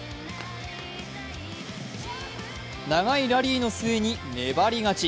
長いラリーの末に粘り勝ち。